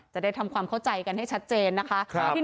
จะได้ทำความเข้าใจกันให้ชัดเจนนะคะ